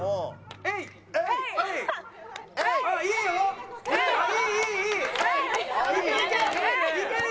えい！